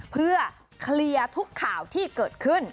เพื่อเคลียร์ทุกข่าวที่เกิดขึ้น